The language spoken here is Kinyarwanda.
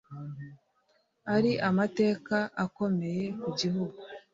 ari amateka akomeye ku gihugu